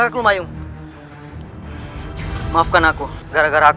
hukumanmu semakin berat